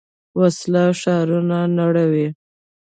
وسله ښارونه نړوي